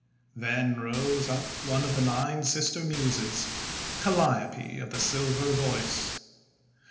Then rose up one of the Nine Sister Muses, Calliope of the Silver Voice.